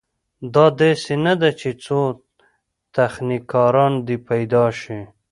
دا داسې نه ده چې څو تخنیکران دې پیدا شي.